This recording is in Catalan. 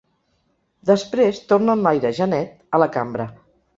Després tornen l’aire, ja net, a la cambra.